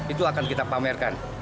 itu akan kita pamerkan